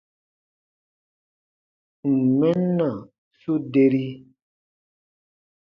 Ǹ n mɛn na, su deri.